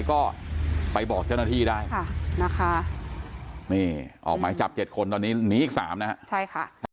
ก็ไปบอกเจ้าหน้าที่ได้ค่ะนะคะนี่ออกหมายจับ๗คนตอนนี้หนีอีก๓นะฮะใช่ค่ะ